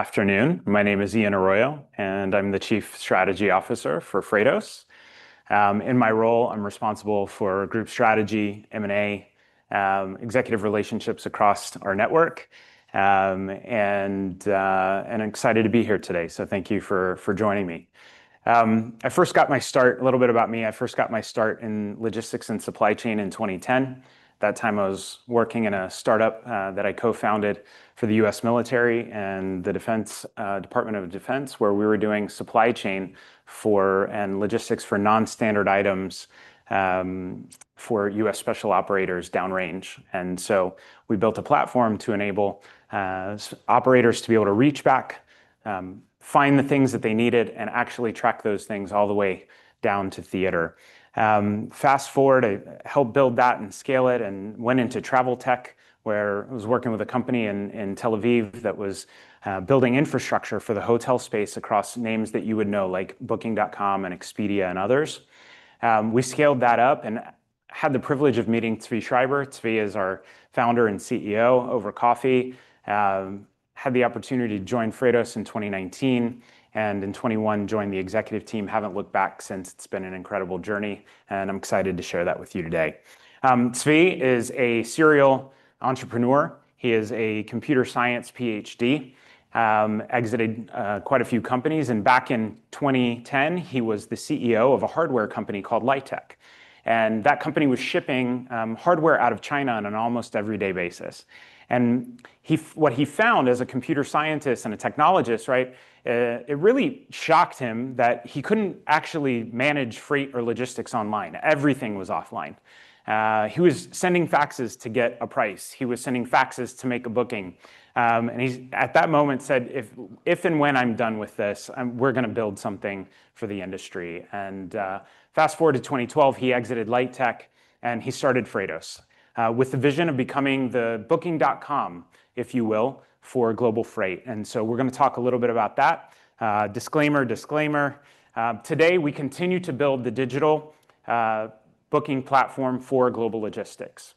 Afternoon. My name is Ian Arroyo, and I'm the Chief Strategy Officer for Freightos. In my role, I'm responsible for group strategy, M&A, executive relationships across our network, and I'm excited to be here today. So thank you for joining me. I first got my start, a little bit about me, I first got my start in logistics and supply chain in 2010. At that time, I was working in a startup that I co-founded for the U.S. military and the Department of Defense, where we were doing supply chain and logistics for nonstandard items for U.S. special operators downrange. We built a platform to enable operators to be able to reach back, find the things that they needed, and actually track those things all the way down to theater. Fast forward, I helped build that and scale it and went into travel tech, where I was working with a company in Tel Aviv that was building infrastructure for the hotel space across names that you would know, like Booking.com and Expedia and others. We scaled that up and had the privilege of meeting Zvi Schreiber. Zvi is our founder and CEO over coffee. Had the opportunity to join Freightos in 2019 and in 2021 joined the executive team. Haven't looked back since. It's been an incredible journey, and I'm excited to share that with you today. Zvi is a serial entrepreneur. He is a computer science PhD, exited quite a few companies, and back in 2010, he was the CEO of a hardware company called Lightech, and that company was shipping hardware out of China on an almost every day basis. And what he found as a computer scientist and a technologist, right, it really shocked him that he couldn't actually manage freight or logistics online. Everything was offline. He was sending faxes to get a price. He was sending faxes to make a booking. And he at that moment said, "If and when I'm done with this, we're going to build something for the industry." And fast forward to 2012, he exited Lightech, and he started Freightos with the vision of becoming the Booking.com, if you will, for global freight. And so we're going to talk a little bit about that. Disclaimer, disclaimer. Today, we continue to build the digital booking platform for global logistics.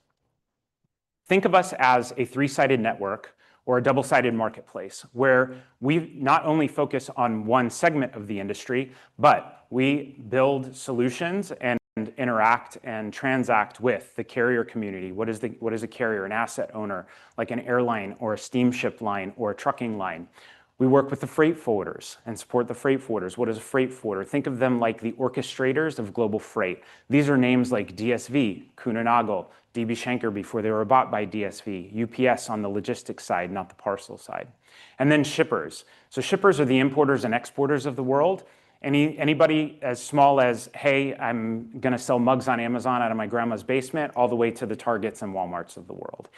Think of us as a three-sided network or a double-sided marketplace where we not only focus on one segment of the industry, but we build solutions and interact and transact with the carrier community. What is a carrier, an asset owner, like an airline or a steamship line or a trucking line? We work with the freight forwarders and support the freight forwarders. What is a freight forwarder? Think of them like the orchestrators of global freight. These are names like DSV, Kuehne + Nagel, DB Schenker before they were bought by DSV, UPS on the logistics side, not the parcel side, and then shippers, so shippers are the importers and exporters of the world. Anybody as small as, "Hey, I'm going to sell mugs on Amazon out of my grandma's basement," all the way to the Targets and Walmarts of the world,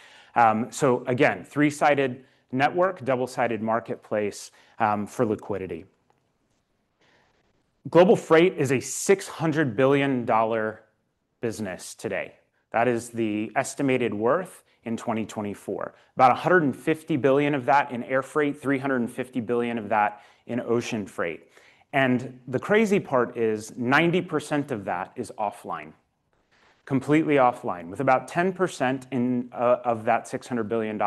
so again, three-sided network, double-sided marketplace for liquidity. Global freight is a $600 billion business today. That is the estimated worth in 2024. About $150 billion of that in air freight, $350 billion of that in ocean freight. The crazy part is 90% of that is offline, completely offline, with about 10% of that $600 billion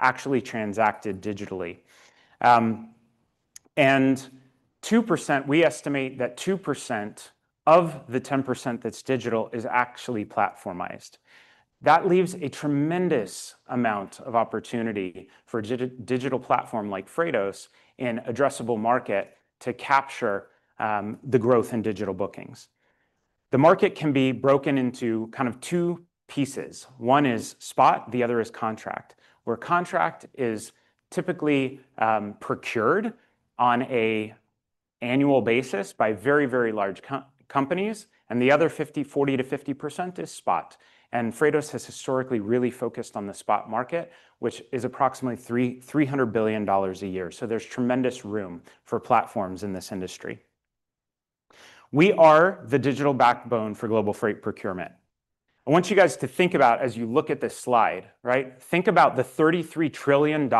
actually transacted digitally. We estimate that 2% of the 10% that's digital is actually platformized. That leaves a tremendous amount of opportunity for a digital platform like Freightos in an addressable market to capture the growth in digital bookings. The market can be broken into kind of two pieces. One is spot. The other is contract, where contract is typically procured on an annual basis by very, very large companies, and the other 40%-50% is spot. Freightos has historically really focused on the spot market, which is approximately $300 billion a year. There's tremendous room for platforms in this industry. We are the digital backbone for global freight procurement. I want you guys to think about, as you look at this slide, right, think about the $33 trillion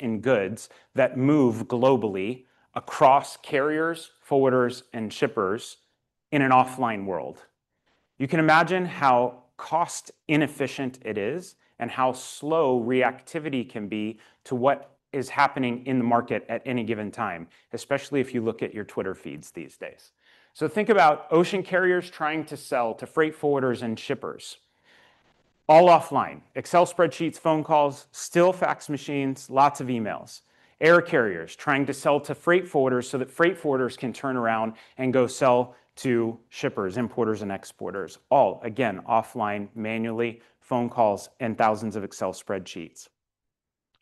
in goods that move globally across carriers, forwarders, and shippers in an offline world. You can imagine how cost-inefficient it is and how slow reactivity can be to what is happening in the market at any given time, especially if you look at your Twitter feeds these days. So think about ocean carriers trying to sell to freight forwarders and shippers, all offline, Excel spreadsheets, phone calls, still fax machines, lots of emails. Air carriers trying to sell to freight forwarders so that freight forwarders can turn around and go sell to shippers, importers, and exporters, all, again, offline, manually, phone calls, and thousands of Excel spreadsheets.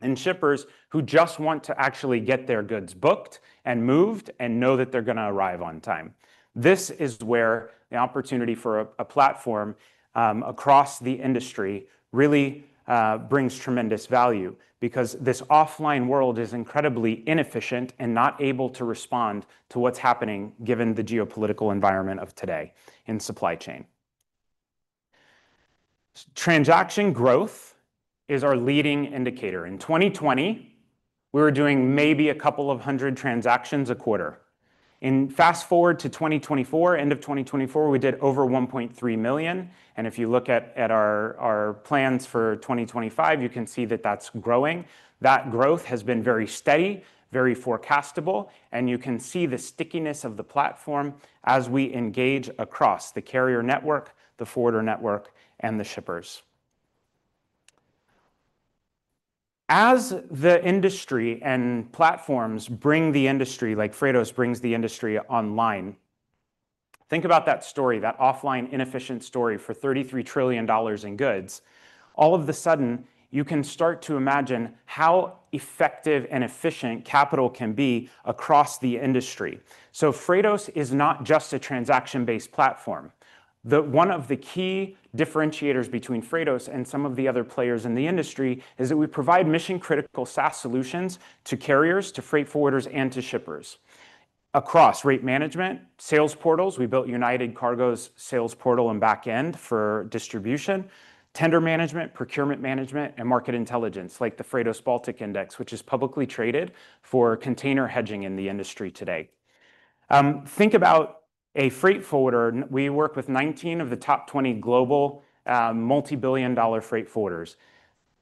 And shippers who just want to actually get their goods booked and moved and know that they're going to arrive on time. This is where the opportunity for a platform across the industry really brings tremendous value because this offline world is incredibly inefficient and not able to respond to what's happening given the geopolitical environment of today in supply chain. Transaction growth is our leading indicator. In 2020, we were doing maybe a couple of hundred transactions a quarter, and fast forward to 2024, end of 2024, we did over 1.3 million. And if you look at our plans for 2025, you can see that that's growing. That growth has been very steady, very forecastable, and you can see the stickiness of the platform as we engage across the carrier network, the forwarder network, and the shippers. As the industry and platforms bring the industry, like Freightos brings the industry online, think about that story, that offline inefficient story for $33 trillion in goods. All of a sudden, you can start to imagine how effective and efficient capital can be across the industry. So Freightos is not just a transaction-based platform. One of the key differentiators between Freightos and some of the other players in the industry is that we provide mission-critical SaaS solutions to carriers, to freight forwarders, and to shippers across rate management, sales portals. We built United Cargo's sales portal and back end for distribution, tender management, procurement management, and market intelligence like the Freightos Baltic Index, which is publicly traded for container hedging in the industry today. Think about a freight forwarder. We work with 19 of the top 20 global multi-billion-dollar freight forwarders.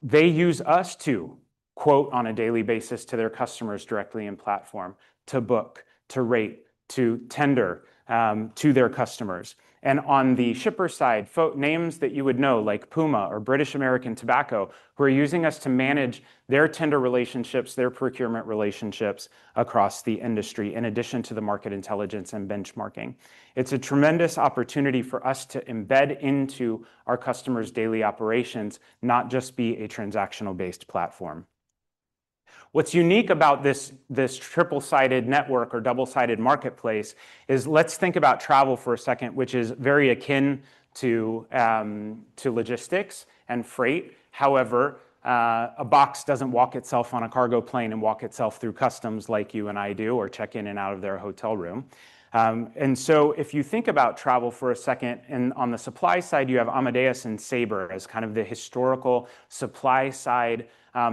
They use us to quote on a daily basis to their customers directly in platform, to book, to rate, to tender to their customers. And on the shipper side, names that you would know, like Puma or British American Tobacco, who are using us to manage their tender relationships, their procurement relationships across the industry, in addition to the market intelligence and benchmarking. It's a tremendous opportunity for us to embed into our customers' daily operations, not just be a transactional-based platform. What's unique about this triple-sided network or double-sided marketplace is let's think about travel for a second, which is very akin to logistics and freight. However, a box doesn't walk itself on a cargo plane and walk itself through customs like you and I do or check in and out of their hotel room. And so if you think about travel for a second, and on the supply side, you have Amadeus and Sabre as kind of the historical supply side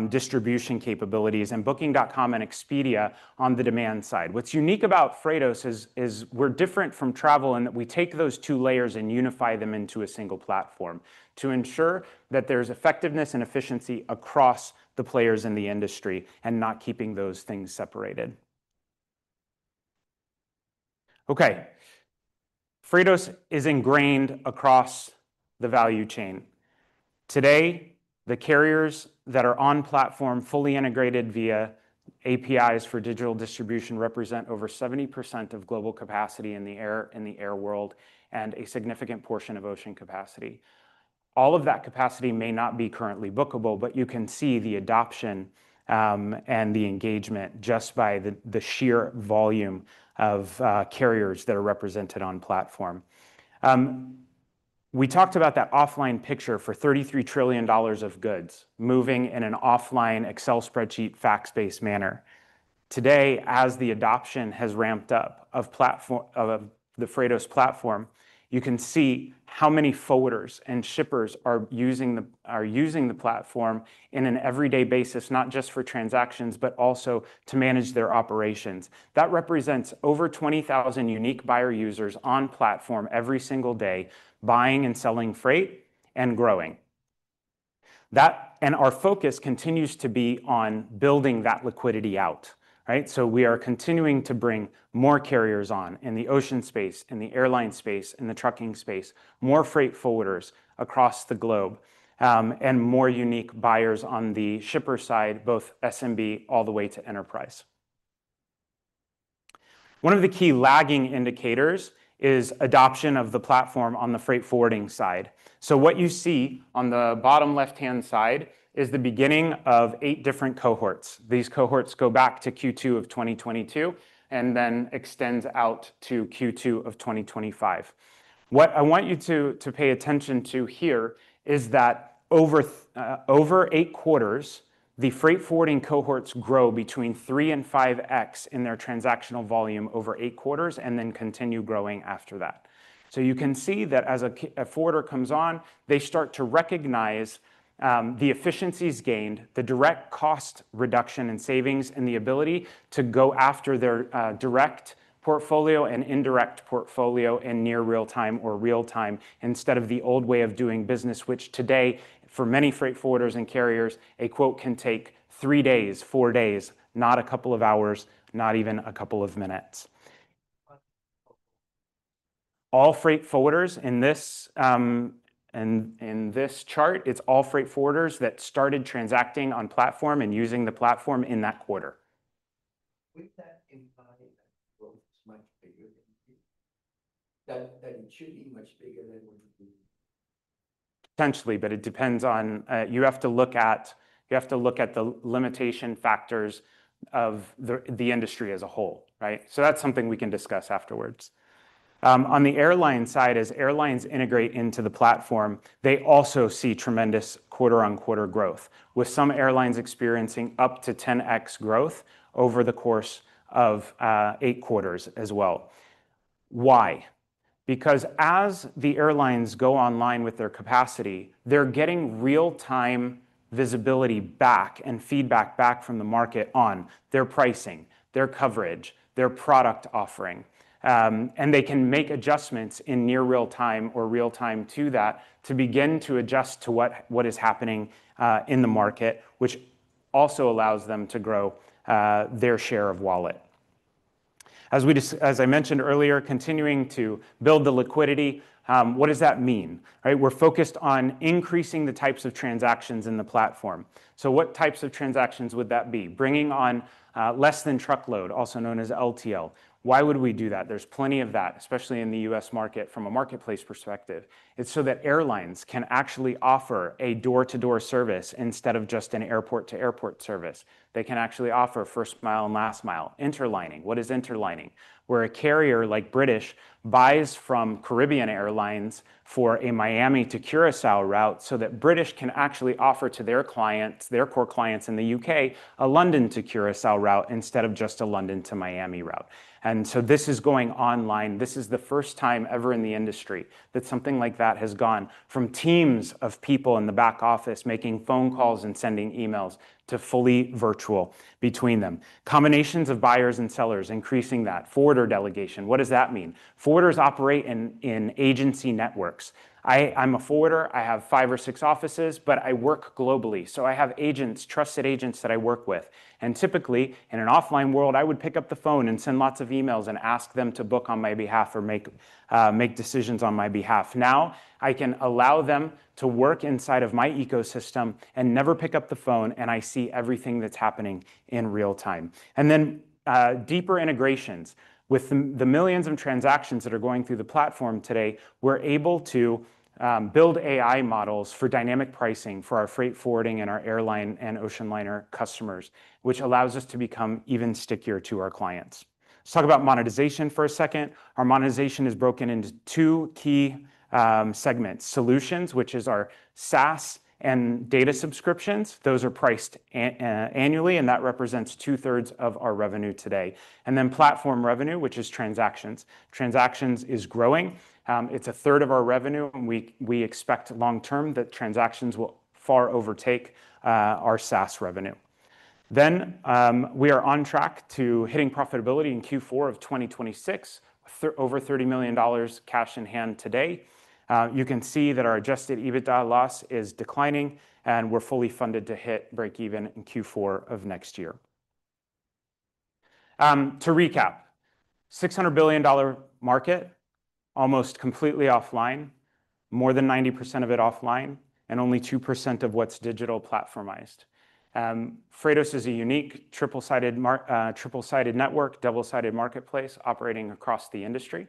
distribution capabilities and Booking.com and Expedia on the demand side. What's unique about Freightos is we're different from travel in that we take those two layers and unify them into a single platform to ensure that there's effectiveness and efficiency across the players in the industry and not keeping those things separated. Okay. Freightos is ingrained across the value chain. Today, the carriers that are on platform fully integrated via APIs for digital distribution represent over 70% of global capacity in the air world and a significant portion of ocean capacity. All of that capacity may not be currently bookable, but you can see the adoption and the engagement just by the sheer volume of carriers that are represented on platform. We talked about that offline picture for $33 trillion of goods moving in an offline Excel spreadsheet fax-based manner. Today, as the adoption has ramped up of the Freightos platform, you can see how many forwarders and shippers are using the platform on an every day basis, not just for transactions, but also to manage their operations. That represents over 20,000 unique buyer users on platform every single day buying and selling freight and growing, and our focus continues to be on building that liquidity out, right, so we are continuing to bring more carriers on in the ocean space, in the airline space, in the trucking space, more freight forwarders across the globe, and more unique buyers on the shipper side, both SMB all the way to enterprise, one of the key lagging indicators is adoption of the platform on the freight forwarding side, so what you see on the bottom left-hand side is the beginning of eight different cohorts. These cohorts go back to Q2 of 2022 and then extend out to Q2 of 2025. What I want you to pay attention to here is that over eight quarters, the freight forwarding cohorts grow between 3x-5x in their transactional volume over eight quarters and then continue growing after that. So you can see that as a forwarder comes on, they start to recognize the efficiencies gained, the direct cost reduction and savings, and the ability to go after their direct portfolio and indirect portfolio in near real-time or real-time instead of the old way of doing business, which today, for many freight forwarders and carriers, a quote can take three days, four days, not a couple of hours, not even a couple of minutes. All freight forwarders in this chart, it's all freight forwarders that started transacting on platform and using the platform in that quarter. Potentially, but it depends on, you have to look at the limitation factors of the industry as a whole, right? So that's something we can discuss afterwards. On the airline side, as airlines integrate into the platform, they also see tremendous quarter-on-quarter growth, with some airlines experiencing up to 10x growth over the course of eight quarters as well. Why? Because as the airlines go online with their capacity, they're getting real-time visibility back and feedback back from the market on their pricing, their coverage, their product offering. And they can make adjustments in near real-time or real-time to that to begin to adjust to what is happening in the market, which also allows them to grow their share of wallet. As I mentioned earlier, continuing to build the liquidity, what does that mean? Right? We're focused on increasing the types of transactions in the platform. So what types of transactions would that be? Bringing on less than truckload, also known as LTL. Why would we do that? There's plenty of that, especially in the US market from a marketplace perspective. It's so that airlines can actually offer a door-to-door service instead of just an airport-to-airport service. They can actually offer first mile and last mile. Interlining. What is interlining? Where a carrier like British buys from Caribbean Airlines for a Miami to Curaçao route so that British can actually offer to their clients, their core clients in the UK, a London to Curaçao route instead of just a London to Miami route, and so this is going online. This is the first time ever in the industry that something like that has gone from teams of people in the back office making phone calls and sending emails to fully virtual between them. Combinations of buyers and sellers increasing that. Forwarder delegation. What does that mean? Forwarders operate in agency networks. I'm a forwarder. I have five or six offices, but I work globally. So I have agents, trusted agents that I work with. And typically, in an offline world, I would pick up the phone and send lots of emails and ask them to book on my behalf or make decisions on my behalf. Now, I can allow them to work inside of my ecosystem and never pick up the phone, and I see everything that's happening in real time. And then deeper integrations with the millions of transactions that are going through the platform today. We're able to build AI models for dynamic pricing for our freight forwarding and our airline and ocean liner customers, which allows us to become even stickier to our clients. Let's talk about monetization for a second. Our monetization is broken into two key segments: solutions, which is our SaaS and data subscriptions. Those are priced annually, and that represents two-thirds of our revenue today. And then platform revenue, which is transactions. Transactions is growing. It's a third of our revenue. We expect long-term that transactions will far overtake our SaaS revenue. Then we are on track to hitting profitability in Q4 of 2026, over $30 million cash in hand today. You can see that our adjusted EBITDA loss is declining, and we're fully funded to hit break-even in Q4 of next year. To recap, $600 billion market, almost completely offline, more than 90% of it offline, and only 2% of what's digital platformized. Freightos is a unique triple-sided network, double-sided marketplace operating across the industry.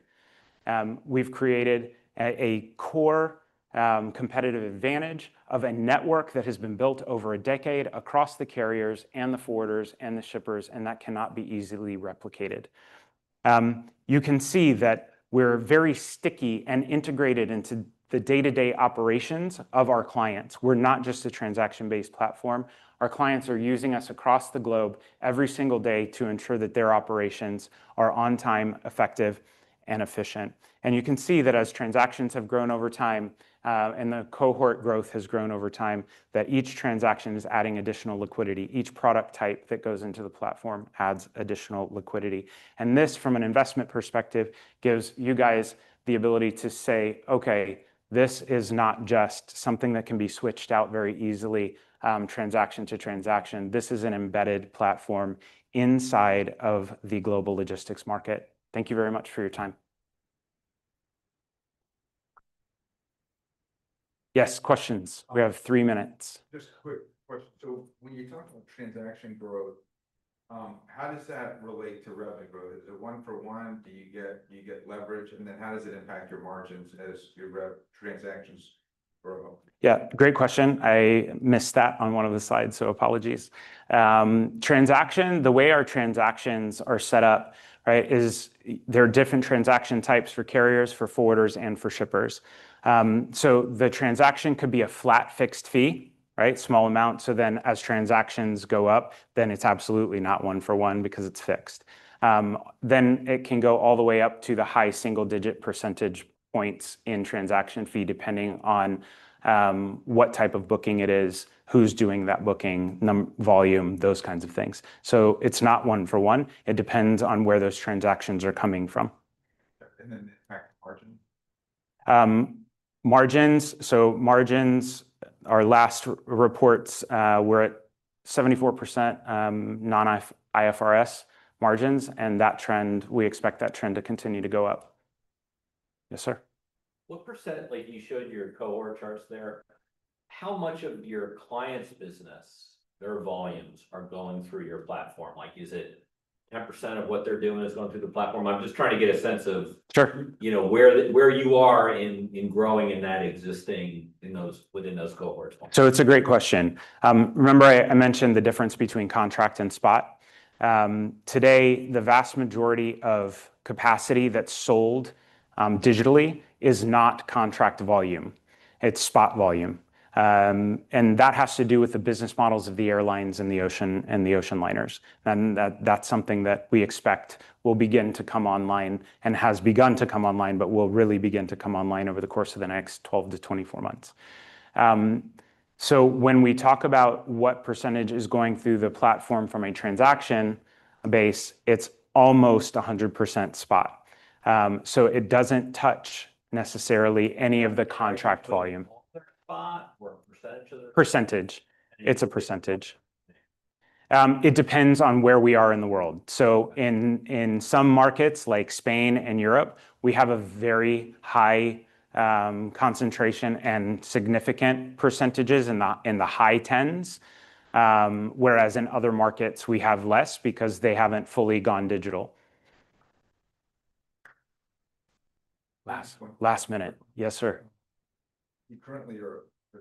We've created a core competitive advantage of a network that has been built over a decade across the carriers and the forwarders and the shippers, and that cannot be easily replicated. You can see that we're very sticky and integrated into the day-to-day operations of our clients. We're not just a transaction-based platform. Our clients are using us across the globe every single day to ensure that their operations are on time, effective, and efficient, and you can see that as transactions have grown over time and the cohort growth has grown over time, that each transaction is adding additional liquidity. Each product type that goes into the platform adds additional liquidity. This, from an investment perspective, gives you guys the ability to say, "Okay, this is not just something that can be switched out very easily transaction to transaction. This is an embedded platform inside of the global logistics market." Thank you very much for your time. Yes, questions. We have three minutes. Just a quick question. So when you talk about transaction growth, how does that relate to revenue growth? Is it one-for-one? Do you get leverage? And then how does it impact your margins as your transactions grow? Yeah, great question. I missed that on one of the slides, so apologies. The transaction, the way our transactions are set up, right, is there are different transaction types for carriers, for forwarders, and for shippers. So the transaction could be a flat fixed fee, right, small amount. So then as transactions go up, then it's absolutely not one-for-one because it's fixed. Then it can go all the way up to the high single-digit percentage points in transaction fee depending on what type of booking it is, who's doing that booking, volume, those kinds of things. So it's not one-for-one. It depends on where those transactions are coming from. And then impact margin? Margins. So margins, our last reports were at 74% non-IFRS margins, and that trend, we expect that trend to continue to go up. Yes, sir. What percent, like you showed your cohort charts there, how much of your client's business, their volumes are going through your platform? Like, is it 10% of what they're doing is going through the platform? I'm just trying to get a sense of where you are in growing in that existing within those cohorts. So it's a great question. Remember, I mentioned the difference between contract and spot. Today, the vast majority of capacity that's sold digitally is not contract volume. It's spot volume. And that has to do with the business models of the airlines and the ocean liners. And that's something that we expect will begin to come online and has begun to come online, but will really begin to come online over the course of the next 12 to 24 months. So when we talk about what percentage is going through the platform from a transaction base, it's almost 100% spot. So it doesn't touch necessarily any of the contract volume. Spot or a percentage of the? Percentage. It's a percentage. It depends on where we are in the world. So in some markets like Spain and Europe, we have a very high concentration and significant percentages in the high teens, whereas in other markets, we have less because they haven't fully gone digital. Last one. Last minute. Yes, sir. You are currently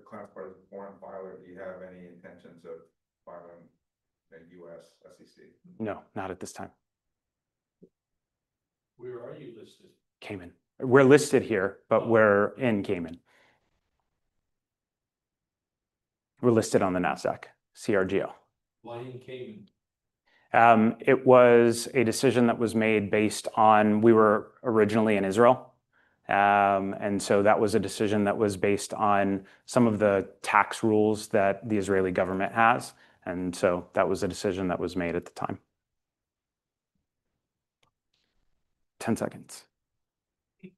classified as a foreign filer. Do you have any intentions of filing as a U.S. filer? No, not at this time. Where are you listed? Cayman. We're listed here, but we're in Cayman. We're listed on the Nasdaq CRGO. Why in Cayman? It was a decision that was made based on we were originally in Israel. And so that was a decision that was made at the time. 10 seconds.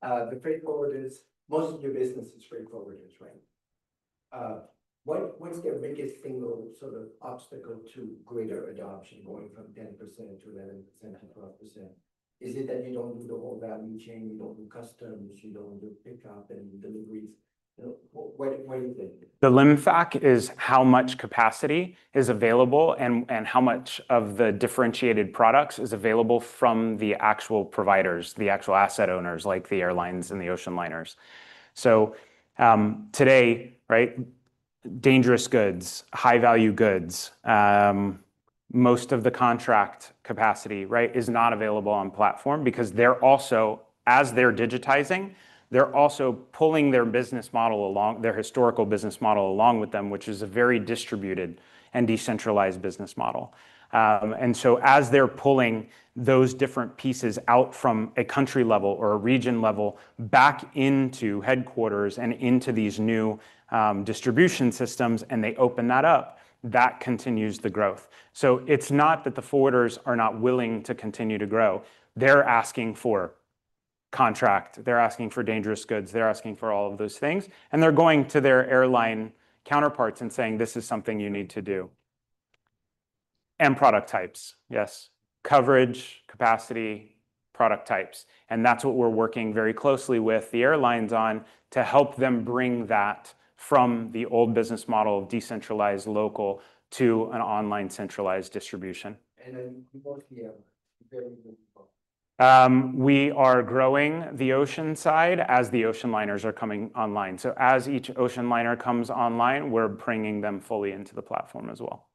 The freight forwarders, most of your business is freight forwarders, right? What's the biggest single sort of obstacle to greater adoption going from 10% to 11% to 12%? Is it that you don't do the whole value chain? You don't do customs, you don't do pickup and deliveries? What do you think? The limfac is how much capacity is available and how much of the differentiated products is available from the actual providers, the actual asset owners like the airlines and the ocean liners. So today, right, dangerous goods, high-value goods, most of the contract capacity, right, is not available on platform because they're also, as they're digitizing, they're also pulling their business model along, their historical business model along with them, which is a very distributed and decentralized business model. And so as they're pulling those different pieces out from a country level or a region level back into headquarters and into these new distribution systems and they open that up, that continues the growth. So it's not that the forwarders are not willing to continue to grow. They're asking for contract. They're asking for dangerous goods. They're asking for all of those things. And they're going to their airline counterparts and saying, "This is something you need to do." And product types, yes. Coverage, capacity, product types. And that's what we're working very closely with the airlines on to help them bring that from the old business model of decentralized local to an online centralized distribution. And then you mostly have very good results. We are growing the ocean side as the ocean liners are coming online. So as each ocean liner comes online, we're bringing them fully into the platform as well.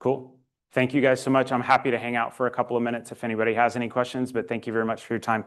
Cool. Thank you guys so much. I'm happy to hang out for a couple of minutes if anybody has any questions, but thank you very much for your time.